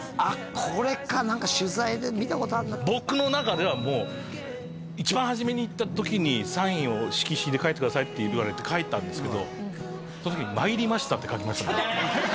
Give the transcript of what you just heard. あっこれか何か取材で見たことあるな僕の中ではもう一番初めに行った時にサインを色紙で書いてくださいって言われて書いたんですけどその時「参りました」って書きましたね